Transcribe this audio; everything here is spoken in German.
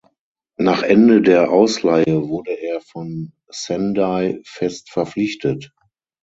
Nach Ende der Ausleihe wurde er von Sendai fest verpflichtet.